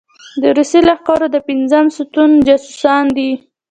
د روسي لښکرو د پېنځم ستون جاسوسان دي.